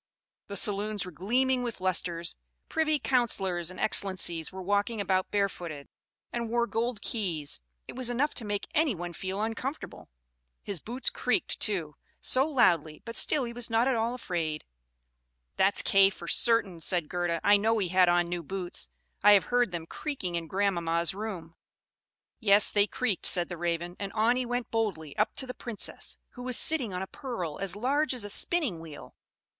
The saloons were gleaming with lustres privy councillors and excellencies were walking about barefooted, and wore gold keys; it was enough to make any one feel uncomfortable. His boots creaked, too, so loudly, but still he was not at all afraid." "That's Kay for certain," said Gerda. "I know he had on new boots; I have heard them creaking in grandmama's room." "Yes, they creaked," said the Raven. "And on he went boldly up to the Princess, who was sitting on a pearl as large as a spinning wheel.